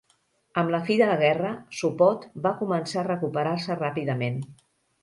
Amb la fi de la guerra, Sopot va començar a recuperar-se ràpidament.